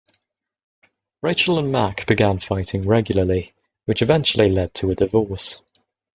Rachel and Mac began fighting regularly, which eventually led to a divorce.